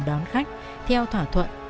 đón khách theo thỏa thuận